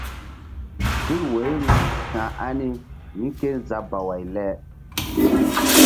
Tul woiri ka̧h ani mí ké zabaway le?